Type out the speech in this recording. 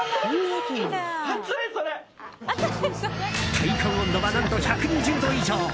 体感温度は何と、１２０度以上。